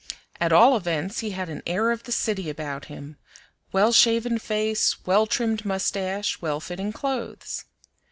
At all events he had an air of the city about him, well shaven face, well trimmed mustache, well fitting clothes.